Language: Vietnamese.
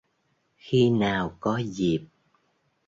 khi nào có dịp